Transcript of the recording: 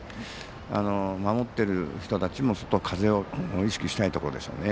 守ってる人たちも風を意識したいところでしょうね。